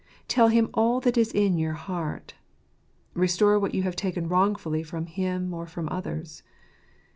Tell Him all that is in your heart. Restore what you have taken wrongfully from Him or from others.